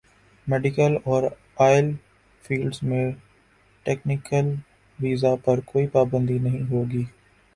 medical اور oil field میں technical visa پر کوئی پابندی نہیں ہوگی